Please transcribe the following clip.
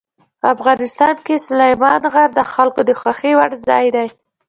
په افغانستان کې سلیمان غر د خلکو د خوښې وړ ځای دی.